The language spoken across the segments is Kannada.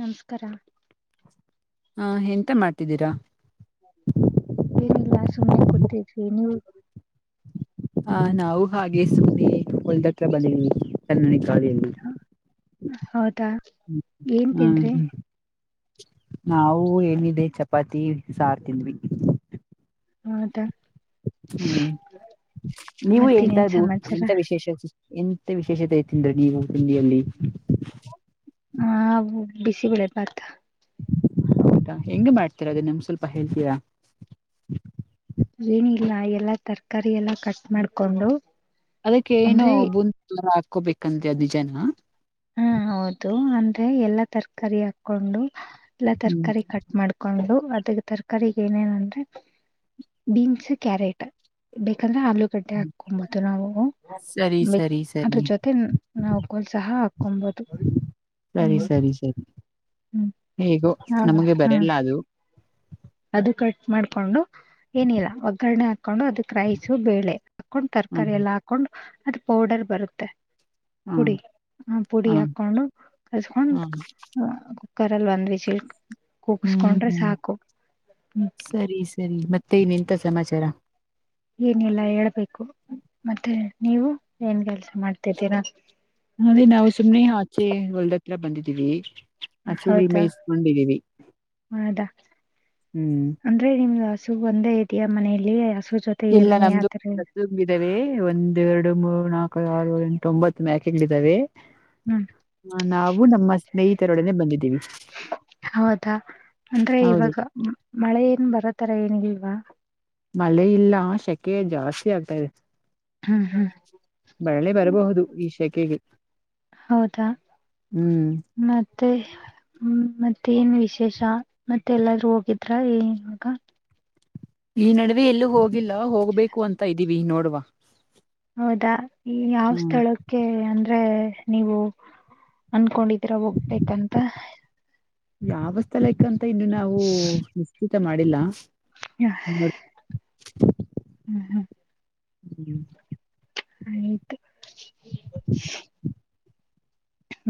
ನಮಸ್ಕಾರ ಹಾ ಹೆ ಮತ್ತೆ ಮಾಡ್ತಿದ್ದೀರಾ [inaudible] ಸುಮ್ಮ್ನೆ ಕೊತಿದ್ವಿ ನೀವು. ಹ ನಾವು ಹಾಗೆ ಸುಮ್ಮನೆ ಒಲ್ದತ್ರ ಬಂದವಿ ಕನ್ನಡಿ ಹ ಹೌದಾ ಏನ್ ಹ್ಮ್ ತಿಂದ್ರಿ ಹ್ಮ್ ನಾವು ಏನಿದೆ ಚಪಾತಿ ಸಾರ್ತಿದ್ವಿ ಹೌದಾ. ಹ್ಮ್ ನೀವು ಮತ್ತೇನೇನ್ ಎಂತು ಸಮಾಚಾರ ಎಂತ ವಿಶೇಷ. ಎಂತ ವಿಶೇಷತೆ ತಿಂದ್ರ ಈಗ ತಿಂಡಿಯಲ್ಲಿ ಹ ಬಿಸಿ ಬೆಳೆ ಬಾತ್ [inaudible] ಆಯದಾ ಹೆಂಗ ಮಾಡ್ತೀರ ಅದ ನಿಮ್ ಸ್ವಲ್ಪ ಹೇಳ್ತೀರಾ ಏನಿಲ್ಲ ಎಲ್ಲಾ ತರಕಾರಿ ಎಲ್ಲಾ ಕಟ್ ಮಾಡ್ಕೊಂಡು. ಅದಕ್ಕೆ ಏನು ಅಂದ್ರೆ [inaudible] ಬಂದತ ಹಾಕೋಬೇಕಂದ್ರೆ ಅ ನಿಜಾನ ಹಾ ಹೌದು ಅಂದ್ರೆ ಎಲ್ಲಾ ತರಕಾರಿ ಹಾಕೊಂಡು ಎಲ್ಲ ಹ್ಮ್ ತರಕಾರಿ ಕಟ್ ಮಾಡ್ಕೊಂಡು ತರಕರಿ ಏನೇನು ಅಂದ್ರೆ ಬೀನ್ಸ್ ಕ್ಯಾರೆಟ್ ಬ ಯಾಕಂದ್ರೆ ಆಲೂಗಡ್ಡೆ ಹಾಕೊಬುದು ನಾವು ಸರಿ ಸರಿ ಅದ್ರ ಸರಿ ಜೊತೆ ನಾವು ಗೋಲ್ ಸಹ ಒಂಬತ್ತು ಸರಿ ಹ್ಮ್ ಸರಿ ಸರಿ ಹ್ಮ್ ಹೇಗೋ ಹ ನಮ್ಗೆ ಬರಲ್ಲ ಅದು ಕ ಮಾಡ್ಕೊಂಡು ಏನಿಲ್ಲ ಒಗ್ಗರಣೆ ಹಾಕೊಂಡು ಅದಕ್ ರೈಸು ಬೇಳೆ ಹಾಕೊಂಡು ಹ್ಮ್ ತರಕಾರಿ ಎಲ್ಲ ಹಾಕೊಂಡು ಅದು ಪೌಡರ್ ಬರುತ್ತೆ ಹ್ಮ್ ಪುಡಿ ಆ ಪುಡಿ ಹ್ಮ್ ಹಾಕೊಂಡು ಕಸ್ಕೊಂಡು. ಹ್ಮ್ [inaudible] ಕರಲ್ ಒಂದು ವಿಚ ಹ್ಮ್ ಕುೂಗುಸ್ಕೊಂಡ್ರೆ ಹ್ಮ್ ಸಾಕು ಹ್ಮ್ ಸರಿ- ಸರಿ ರಿ ಮತ್ತೆ ಇನ್ ಎಂತ ಸಮಾಚಾರ ಏನಿಲ್ಲ ಹೇಳ್ಬೇಕು ಮತ್ತೆ ನೀವು ಏನ್ ಕೆಲ್ಸ ಮಾಡ್ತಿದ್ದೀರಾ ಅದೇ ನಾವು ಸುಮ್ನೆ ಆಚೆ ಹೊಲ್ದತ್ರ ಬಂದಿದ್ದೀವಿ ಹಸುಗಳು ಹೌದಾ ಮೇಯಿಸಕೊಂಡಿದ್ದೀವಿ ಹೌದಾ ಅಂದ್ರೆ ನಿಮ್ ಸು ಒಂದೇ ಇದಿಯ ಮನೆಯಲ್ಲಿ ಹಸು ಜೊತೆ ಎಲ್ಲ ಎಮ್ಮೆ ಆತರ ನಮ್ದುುಂಬಿದಾವೆ ಒಂದ ಎರಡು ಮೂರು ನಾಲ್ಕು ಆರು ಎಂಟು ಒಂಬತ್ತು ಮ್ಯಾಕೆಗಳಿದಾವೆ ಹ್ಮ್ ಸ್ನೇಹಿತರೊಡನೆ ಬಂದಿದ್ದೀವಿ ಹೌದಾ ಅಂದ್ರೆ ಹೌದು ಇವಾಗ ಮಳೆ ಏನ್ ಬರತರ ಏನಿಲ್ವಾ [unintelligible] ಮಳೆ ಇಲ್ಲ ಶಕ್ ಕೆ ಜಾಸ್ತಿ ಆಗ್ತಾ ಇದೆ ಹ್ಮ್ ಬಳ್ಳೆ ಹ್ಮ್ ಬರಬಹುದು ಈ ಶ. ಕೇಳಿ ಹೌದಾ ಮತ್ ಮತ್ತೆ ಮತ್ತೆ ಏನ್ ವಿಶೇಷ ಮತ್ತೆ ಎಲ್ಲಾದೂ ಹೋಗಿದ್ರ [inaudible] ಈ ನಡುವೆ ಎಲ್ಲೂ ಹೋಗಿಲ್ಲ ಹೋಗ್ಬೇಕು ಅಂತ ಇದ್ದೀವಿ ನೋಡ್ವಾ ಹೌದ ಈ ಯಾವ್ ಸ್ಥಳಕ್ಕೆ ಅಂದ [inaudible] ನೀವು ಅನ್ಕೊಂಡಿದ ರ ಹೋಗ್ಬೇಕಂತ ಯಾವ ಸ್ಥಲೈಕ ಮತ್ತೆ ಇನ್ನು ನಾವು [inaudible] ತ ಮಾಡಿಲ್ಲಾ. ಹ ಹ್ಮ್ ಹ್ಮ್ [inaudible] ಹ್ಮ್ ಆಯತು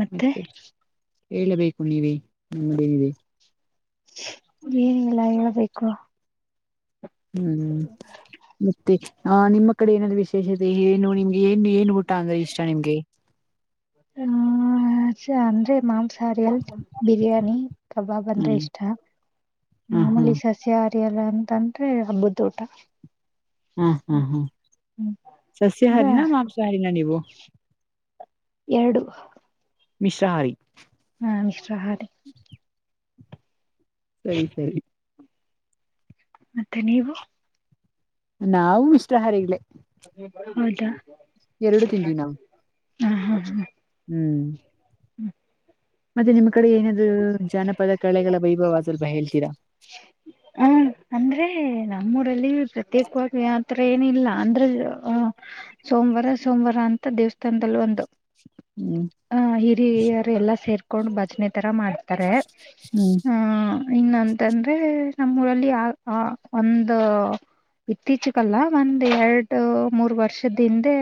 [inaudible] ಮತ್ತೆ ಹೇಳಬೇಕು ನೀವೇ ನಿಡಿ ರೀ ಏನಿಲ್ಲ ಹೇಳ್ಬೇಕು ಹ್ಮ್ ಮತ್ತೆ ಹ ನಿಮ್ಮ ಕಡೆ ಏನಾದಲ್ಲಿ ವಿಶೇಷತೆ ಏನು ನಿಮ್ಗೆ ಏನು ಏನು ಊ ಅಂದ್ರೆ ಇಷ್ಟ ನಿಮ್ಗೆ ಹ್ಮ್ ಹ ಅಂದ್ರೆ ಮಾಂಸ [inaudible] ಬಿರಿಯಾನಿ ಕಬಾಬ್ ಅಂದ್ರೆ ಹ್ಮ್ ಇಷ್ಟ ಹ್ಮ ಹ್ಮ್ ಮಾಮೂಲಿ ಸಸ್ಯ ಲ್ಲ ಅಂತಂದ್ರೆ ಹಬ್ಬದಊಟ ಹಾ ಹಾ ಹಾ ಸಸ್ಯಾಹಾರನಾ ಮಾಂಸಾಹಾರಿನ ನೀವು ಎರಡು ಮಿಸ್ರಹಾರಿ ಹ ಮಿಶ್ರ ಹ್ಮ್ ಸರಿ ಸರಿ ಮತ್ತೆ ನೀವು ನಾವವು ಇಷ್ಟ್ರ ಹಾರಿಗ್ಲೆ ಹೌದಾ ಎರಡು ತಿಂದ್ವಿ ನಾವು ಹ್ಮ ಹಾ ಹಾ ಹ್ಮ್ ಹ್ಮ್ ನಿಮ್ಮ್ ಕಡೆ ಏನಾದ್ರು ಜಾನಪದ ಕೆಳೆಗಳ ವೈಭವ ಸ್ವಲ್ಪ ಹೇಳ್ತೀರಾ ಹ್ಮ ಅಂದ್ರೆ ನಮ್ಮೂಊರಲ್ಲಿ ಪ್ರತ್ಯೇಕವಾಗಿ ಯತ್ರ ಏನ ಇಲ್ಲ ಅಂದ್ರ ಸೋಮವಾರ ಸೋಮವಾರ ಅಂತ ದೇವಸ್ಥಾನದದಲ್ಲಿ ಒಂದು ಹ್ಮ್ ಹ ಹಿರಿಯಾರ ಎಲ್ಲ ಸೇರ್ ಕೋ ಬಚ್ನೆ ತರ ಮಾಡ್ತಾರೆ ಹ್ಮ್ ಇನ್ನಂತಂದ್ರೆ ನಮ್ಮೂಊರಲ್ಲಿ ಒಂದು ಇತ್ತೀಚಕ್ಕಲ್ಲ ಒಂದ ಎರಡು ಮೂರ್ ವರ್ಷದ ಹಿಂದೆ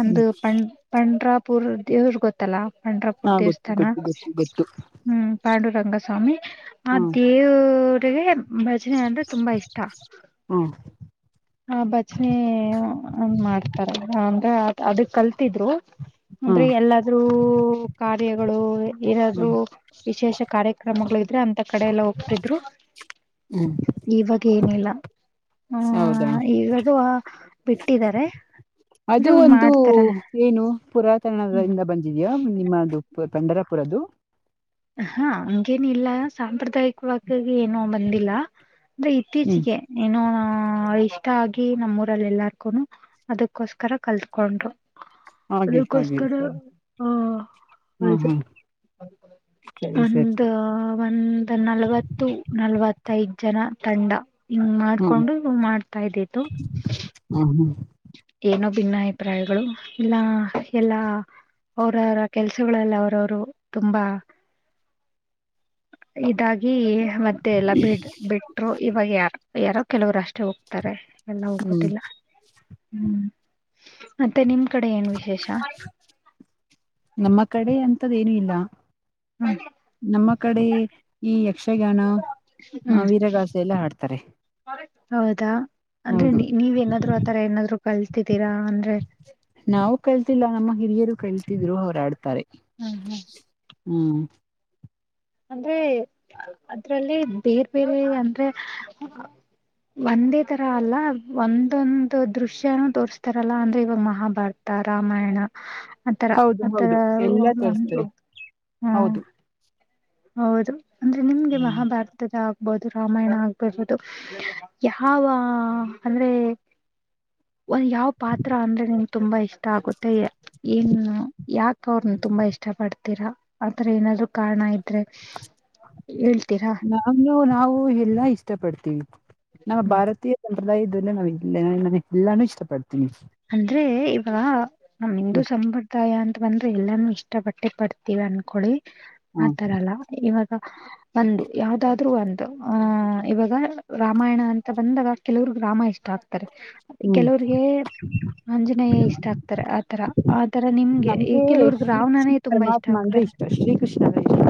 ಅಂದು ಪ ಪನ್್ರಾ ಪೂರ್ದ ದವರು ಗೊತ್ತಲ್ಲ ಪಂಡ್ರಾಪುರ್ ಹಾ ಗೊತ್ತು ದೇವಸ್ಥಾನ ಗೊತ್ತು ಗೊತ್ತು ಗೊತ್ತು ಹ್ಮ ಪಾಂಡ ರಂಗಸ್ವಾಮಿ ಹ್ಮ್ ಅದೇ ಭಜನೆ ಅಂದ್ರೆ ತುಂಬಾ ಇಷ್ಟ ಹ್ಮ್ ಆ ಬಚನೆ ಮಾಡ್ತಾರ ಅಂದ್ರೆ ಅದ ಕಲ್ತಿದ್ರು ಅಂದ್ರೆ ಹ್ಮ್ ಎಲ್ಲಾದ್ರೂ ಕಾರ್ಯಾಗಳು ಏನಾದ್ರು ಹ್ಮ್ ವಿಶೇಷ ಕಾರ್ಯಕ್ರಮಗಳು ಅಂತ ಕಡೆ ಎಲ್ಲ ಹೋಗ್ತಿದ್ರು ಹ್ಮ್ ಏನಿಲ್ಲ ಹೌದಾ ಹ ಈವಾಗುವ ಬಿಟ್ಟಿದ್ದಾರೆ ಅದು ಅಂದ್ರೆ ಒಂದು ಮಾಡ್ತಾರ ಏನು ಹ್ಮ್ ಪುರಾತನದಿಂದ ಬಂದಿದೆಯಾ ನಿಮ್ಮದು. ಪಂಡರಪುರದು ಹಾ ಹಂಗೇನ ಇಲ್ಲ ಸಾಂಪ್ರದಾಯಿಕವಾಗಿ ಏನೋ ಬಂದಿಲ್ಲ ಅಂದ್ರೆ ಹ್ಮ್ ಇತ್ತೀಚಿಗೆ ಏನು ಆ ಇಷ್ಟ ಆಗಿ ನಮ್ಮೂರಲ್ಲಿ ಎಲ್ಲಾರ್ಗು ಅದಕ್ಕೋಸ್ಕರ ಕಲ್ತ್ಕೊಂಡ್ರು ಹಾಗೆ ಹಾಗೆ ಅದಕ್ಕೋಸ್ಕರ ಸರಿ ಹ ಹಾ ಹೌದು ಹಾ ಸರಿ ಸರಿ ಒಂದ ಒಂದ ನಲ್ವತ್ತು ನಲ್ವತ್ತಐದು ಜನ ತಂಡ- ಹಂಗ ಹ್ಮ್ ಮಾಡ್ಕೊಂಡು ಮಾಡ್ತಾ ಇದ್ದತ್ತು ಹ್ಮ್ ಹ್ಮ್ ಇನ್ನ ಭಿನ್ನಾ ಅಭಿಪ್ರಾಯಗಳು ಇಲ್ಲ ಎಲ್ಲಾ ಅವರವರ ಕೆಲ್ಸಗಳಗಳಲ್ಲಿ ಅವರವ್ರು ತುಂಬಾ ಇದಾಗಿ ಮತ್ತೆ ಎಲ್ಲ ಬಿಡ್ ಬಿಟ್ಟರು ಇವಾಗ ಯಾರು ಯಾರೋ ಕೆಲವರು ಅಷ್ಟ ಅಷ್ಟ ಹೋಗ್ತಾರೆ ಎಲ್ಲ ಹ್ಮ್ ಹೋಗೋುದಿಲ್ಲ ಹ್ಮ್ ಮತ್ತೆ ನಿಮ. ಕಡೆ ಏನ್ ವಿಶೇಷ ನಮ್ಮ ಕಡೆ ಅಂತದೇನು ಇಲ್ಲ. ಹ್ಮ್ ನಮ್ಮ ಕಡೆ ಈ ಯಕ್ಷಗಾನ ಹ್ಮ್ ವೀರಗಾಸೆ ಎಲ್ಲ ಹಾಡ್ತಾರೆ ಹೌದಾ ಅಂದ್ರೆ ಹೌದು ನೀವೇನಾದ್ರು ಆತರ ಏನಾದ್ರು ಕಲ್ತಿದ್ದೀರಾ ಅಂದ್ರೆ ನಾವು ಕಳ್ತಿಲ್ಲ ನಮ್ಮ ಹಿರಿಯರು ಕಲ್ತಿದ್ರು ಅವರ ಆಡ್ತಾರೆ ಹ್ಮ್ ಹ್ಮ್ ಹ್ಮ್ ಅಂದ್ರೆ ಅದ್ರಲ್ಲಿ ಬೇರ್ ಬೇರೆ ಅಂದ್ರೆ ಒಂದೇ ತರ ಅಲ್ಲ ಒಂದೊಂದು ದೃಶ್ಯನೂ ತೋರ್ಸ್ತಾರಲ್ಲ ಅಂದ್ರೆ ಇವಾಗ ಮಹಾಭಾರತ ರಾಮಾಯಣ ಆಥರ ಹೌದು ಆತರ ಹೌದು ಎಲ್ಲಾ ಹ್ಮ ತೋರಿಸ್ತಾರೆ ಹೌದು ಹೌದು. ಅಂದ್ರೆ ನಿಮ್ಗೆ ಹ್ಮ್ ಮಹಾಭಾರತದ ಆ ಆಗ್ಬಹದು ರಾಮಾಯಣ ಆಗ್ಬಿರ್ಬೋದು ಯಾವ ಅಂದ್ರೆ ಒಂದ್ ಯಾವ ಪಾತ್ರ ಅಂದ್ರೆ ನನ್ ತುಂಬಾ ಇಷ್ಟ ಆಗುತ್ತೆ ಏನು ಯಾಕ ಅವ್ರನ್ನ ತುಂಬಾ ಇಷ್ಟ ಪಡ್ತೀರಾ ಆಥರ ಏನಾದ್ರು ಕಾರಣ ಇದ ಹೇಳ್ತೀರಾ ನಾನು ನಾವು ಎಲ್ಲಾ ಇಷ್ಟ ಪಡ್ತೀವಿ ನಮ್ಮ ಹ್ಮ್ ಭಾರತೀಯ ಎಲ್ಲ ಇದುನ್ನೆ ನಾವ್ [unintelligible] ಎಲ್ಲಾನು ಇಷ್ಟಪಡ್ತೀನಿ. ಅಂದ್ರೆ ಇವ ಮ್ಯಾಮ್ ನಿಮ್ದು ಹ್ಮ್ ಸಂಪ್ರದಾಯ ಅಂತ ಬಂದ್ರೆ ಎಲ್ಲಾನು ಇಷ್ಟ ಪಟ್ಟೆ ಬರ್ತೀವಿ ಅಂದನ್ಕೊಳ್ಳಿ ಹಾ ಆ ತರಲ್ಲ ಇವತ ಒಂದು ಯಾವ್ದಾದ್ರು ಒಂದು ಆಹ ಇವಾಗ ರಾಮಾಯಣ ಅಂತ ಬಂದಾಗ ಕೆಲವ್ರಗ್ ರಾಮ ಇಷ್ಟ ಆಗ್ತದೆ ಹ್ಮ್ ಕೆಲವರಿಗೆ ಆಂಜನೇಯ ಇಷ್ಟ ಆಗ್ತಾರೆ ಆತರ ಆತರ ನಿಮ್ಗೆ ಈ ನಮ್ಗೆ ಕೆಲವರಗೆ ಶ್ರೀಕೃಷ್ಣ ರಾವಣನೇ ತುಂಬಾ ಇಷ್ಟ ಪರಮಾತ್ಮ ಅಂದ್ರೆ ಆಗ್ತಾರೆ ಇಷ್ಟ ಶ್ರೀಕೃಷ್ಣ ಅಂದ್ರೆ ಇಷ್ಟ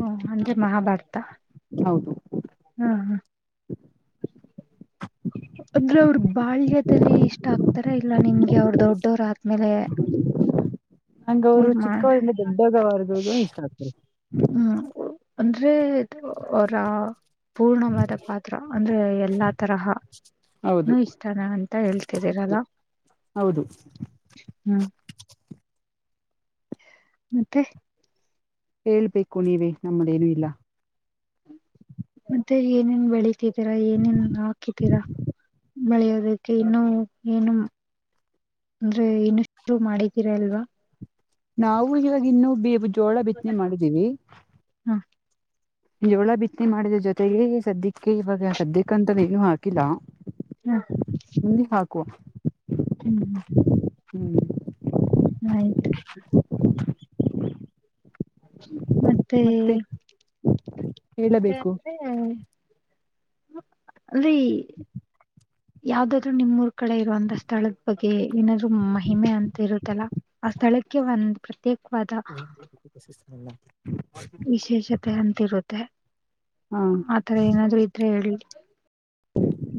ಹ್ಮು ಹಂಗೆ ಮಹಾಭಾರತ ಹೌದು ಹ ಹ ಅ್ರ ಅವ್ರ ಬಾಳ್ಯದಲ್ಲಿ ಇಷ್ಟ ಆಗ್ತಾರ ಇಲ್ಲ ನಿಮ್ಗೆ ಅವ್ರ ದೊಡ್ಡವ್ರ್ಮೇಲೆ ಹಂಗ ಅವ್ರು ಚಿಕ್ಕವಳ್ಳ ದೊಡ್ಡ ಗ ವಾರದವಗ ಇಷ್ಟ ಆಗ್ತಾರೆ ಹ್ಮ್ ಅಂದ್ರೆ ಅದು ರಾವ್ ಪೂರ್ಣವಾದ ಪಾತ್ರ ಅಂದ್ರೆ ಎಲ್ಲಾ ತರಹ ಹೌದು ನೂ ಇಷ್ಟನ ಅಂತ ಹೇಳ್ತಿದ್ದೀರಲ್ಲ ಹೌದು ಹ್ಮ್ ಮತ್ತೆ ಹೇಳ್ಬೇಕು ನೀವೇ ನಮ್ಮದೇನು ಇಲ್ಲ ಮತ್ತೆ ಏನೇನ್ ಬೆಳಿಗ್ ದ್ದೀರಾ ಏನೇನಲ್ಲ ಹಾಕಿದ್ದೀರಾ ಬೆಳೆಯೋದಕ್ಕೆ ಇನ್ನು ಏನು ಅಂದ್ರೆ ಇನ್ನಷ್ಟು ಮಾಡಿದ್ದೀರಾ ಅಲ್ವಾ ನಾವು ಇವಾಗ ಇನ್ನುೂ ಬೇ ಜೋಳ ಬಿತ್ನೆ ಮಾಡಿದ್ದೀವಿ. ಹ ಜೋಳ ಬಿತ್ತಿ ಮಾಡಿದ ಜೊತೆಗೆೇ ಸದ್ಯಕ್ಕೆ ಇವಾಗ ಸದ್ಯಕ್ಕಂತ ನೀೇನು ಹಾಕಿಲ್ಲ ಹ ನಿಲ್ಲಿಿ ಹಾಕ ಕೋ ಹ್ಮ್ ಆಯ್ತು ಹ ಮತ್ತೆ ಮತ್ತೆ ಹೇಳಬೇಕು ಅದೆ [inaudible] ಅಲ್ಲಿ ಯಾವ್ದಾದ್ರು ನಿಮ್ ರ್ ಕಡೆ ಇರುವಂತ ಸ್ಥಳದ ಬಗ್ಗೆ ಏನಾದ್ರು ಮಹಿಮೆ ಅಂತ ಇರುತ್ತಲ್ಲ ಆ ಸ್ಥಳಕ್ಕೆ ಒಂದ್ ಪ್ರತ್ಯೇಕ ಏನ್ರಿ ಬ್ಯುಟಿ ಪರ್ಸಸ್ [inaudible] ಎಲ್ಲಾ ವಿಶೇಷತೆ ಅಂತಿರುತ್ತೆ ಹಾ ಆತರ ಏನಾದ್ರು ಇದ್ರೆ ಹೇಳ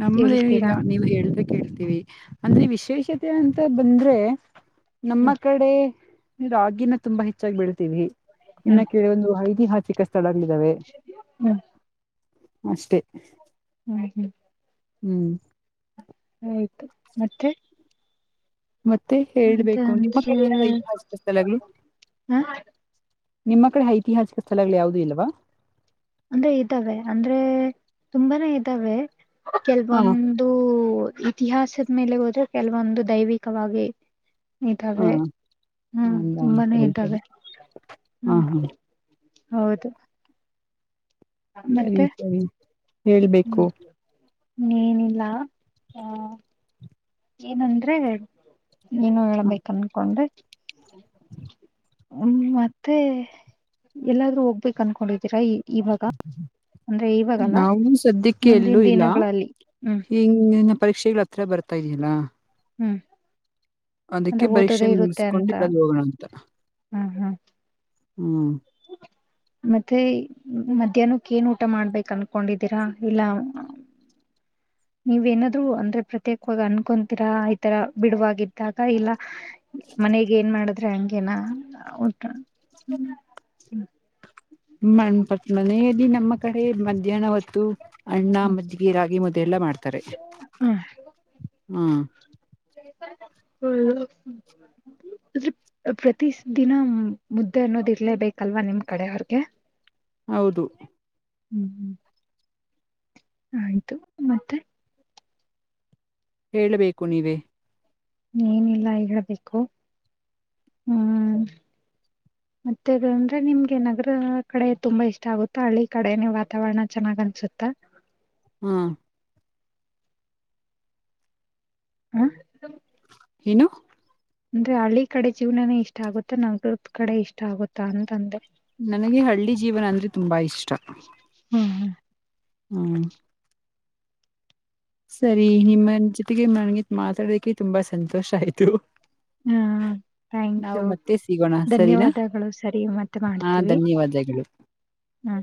ನಮ್ಮದೇನು ಹೇಳ್ತೀರಾ ಇಲ್ಲ ನೀವು ಹೇಳ ಕೇಳ್ತೀವಿ ಅಂದ್ರೆ ವಿಶೇಷತೆ ಅಂತ ಬಂದ್ರೆ ನಮ್ಮ ಹ್ಮ್ ಕಡೆ, ನೀವು ರಾಗಿನ ತುಂಬಾ ಹೆಚ್ಚಾಗಿ ಬೆಳ್ತೀವಿ ಇನ್ನ ಹ್ಮ್ ಕೇಳ ಅಂದ್ಲು ಐದು ಹತ್ತು ಚಿಕ ಚಡಗ್ಲಿದ್ದಾವೆ ಹ್ಮ್ ಅಷ್ಟೆ ಹ್ಮ್ ಹ್ಮ್ ಹ್ಮ್ ಆಯ್ತು ಮತ್ತೆ ಮತ್ತೆ ಅಂತ ಹೇಳ್ಬೇಕು ನಿಮ್ಮ ಅಂದ್ರೆ ಕಡೆ ಏನರ [unintelligible] ಹ ನಿಮ್ಮ ಕಡೆ ಐತಿಹಾಸಿಕ ಸ್ಥಳಗಳು ಯಾವುದೂ ಇಲ್ವಾ ಅಂದ್ರೆ ಇದ್ದಾವೆ, ಅಂದ್ರೆ ತುಂಬಾನೇ ಇದ್ದಾವೆ. ಹಾ ಕೆಲವೊಂದು ಇತಿಹಾಸದ ಮೇಲೆ ಹೋದ್ರೆ ಕೆಲವೊಂದು ದೈವಿಕವಾಗಿ ಹಾ ಇತಾರೆ ಹ್ಮ್ ಅಲ್ಲ ಅಂತ ತುಂಬಾನೇ ಹೇಳ್ತಾರೆ. ಇದ್ದಾವೇ ಹಾ ಹ್ಮ್ ಹಾ ಹೌದು ಸರಿ ಮತ್ತೆ ಸರಿ ಹೇಳ್ಬೇಕು. ಹ್ಮ್ ಏನಿಲ್ಲ ಹ ಏನಂದ್ರೆ, ನೀಏನು ಹ, ಹೇಳ್ಬೇಕ ಅನ್ಕೊಂಡ್ರೆ ಹ್ಮ್ ಮತ್ತೆ ಎಲ್ಲಾದ್ರೂ ಹೋಗ್ಬೇಕು ಅನ್ಕೊಂಡಿದ್ದೀರಾ ಈ ನಾವು ಸದ್ಯಕ್ಕೆ ಮುಂದಿನ ಎಲ್ಲೂ ಇಲ್ಲ ದಿನಗಳಲ್ಲಿ ಹ್ಮ್ ಈನ್ನ ಪರೀಕ್ಷೆಗಳ ಹತ್ರ ಬರ್ತಾ ಇದೀನಿ ಲ್ಲ ಹ್ಮ್ ಅದಕ್ಕೆ ಅಂದ್ರೆ ಪರೀಕ್ಷೆ ಓದೋದೇ ಇರುತ್ತೆ ಮುಗಿಸಕೊಂಡು ಅಂತ ಇಲ್ಲಲ್ಲಿ ಹೋಗಣ ಅಂತರ ಹ್ಮ್ ಹ್ಮ್ ಹ್ಮ್ ಮತ್ತೆ ಮಧ್ಯಾಹ್ನಕ್ಕ ಏನ್ ಊಟ ಮಾಡ್ಬೇಕ ಅನ್ಕೊಂಡಿದ್ದೀರಾ ಇಲ್ಲ ನೀವೇಏನಾದ್ರು ಅಂದ್ರೆ ಪ್ರತ್ಯೇಕವಾಗಿವಾಗಿ ಅನ್ಕೊತೀರಾ ಈತರ ಬಿಡುವಾಗಿದ್ದಾಗ ಇಲ್ಲ ಮನೆಗೆ ಏನ್ ಮಾಡದು [inaudible] ಗನಾ ಊಟ ಹ್ಮ್ ಮಣ್ಪಟ್ ಮನೆ ದಿನ ನಮ್ಮ ಕಡೆ ಮಧ್ಯಾಹ್ನ ಹೊತ್ತು. ಅನ್ನ ಮಜ್ಗಿ ರಾಗಿ ಮುದ್ದೆ ಎಲ್ಲ ಮಾಡ್ತಾರೆ ಹ್ಮು ಪ್ರತ ದಿನ ಮುದ್ದೆ ಅನ್ನೋದ ಇರ್ಲೇಬೇಕಲ್ವಾ ನಿಮ್ ಕಡೆ ಅವ್ರಗೆ ಹೌದು ಹ್ಮ್ ಹ್ಮ್ ಆಯ್ತು ಮತ್ತೆ ಹೇಳಬೇಕು ನೀವೇ. ಏನಿಲ್ಲ ಹೇಬೇಕು ಹ್ಮ್ ಮತ್ತೆ ಅಂದ್ರೆ ನಿಮ್ಗೆ ನಗರ ಕಡೆ ತುಂಬಾ ಇಷ್ಟ ಆಗುತ್ತ ಹಳ್ಳಿ ಕಡೆನೆೇ ವಾತಾವರಣ ಚೆನ್ನಾಗ್ ಅನ್ಸುತ್ತ ಹ್ಮ ಹಾ ಏನು ಅಂದ್ರೆ ಹಳ್ಳಿ ಕಡೆ ಜೀವನನೇ ಇಷ್ಟ ಆಗುತ್ತಾ ನಗರ ಕಡೆ ಇಷ್ಟ ಆಗುತ್ತಾ ಅಂತಂದೆ ನನಗೆ ಹಳ್ಳಿ ಜೀವನ ಅಂದ್ರೆ ತುಂಬಾ ಇಷ್ [inaudible] ಹ್ಮ ಸರಿ ನಿಮ್ಮ ಒಟ್ಟಿಗೆ ಮಗಿತ್ ಮಾತಾಡಕ್ಕೆೆ ತುಂಬಾ ಸಂತೋಷ ಆಯ್ತು ಹ್ಮ್ ಥ್ಯಾಂಕ್ ನಾವು ಯು ಮತ್ತೆ ಸಿಗೋಣ ಸರಿನಾ ಧನ್ಯವಾದಗಳು ಸರಿ ಮತ್ತೆ ಹಾ ಮಾಡ್ತೀವಿ ಧನ್ಯವಾದಗಳು ಹ್ಮ